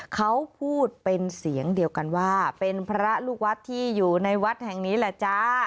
เขาพูดเป็นเสียงเดียวกันว่าเป็นพระลูกวัดที่อยู่ในวัดแห่งนี้แหละจ้า